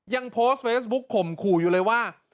ยังโพสต์เฟซบุ๊กข่มขู่อยู่เลยว่า